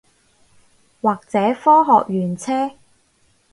或者科學園車